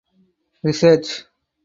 Research.